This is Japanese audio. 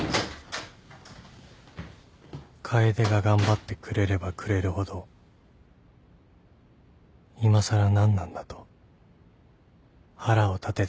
楓が頑張ってくれればくれるほどいまさら何なんだと腹を立ててしまう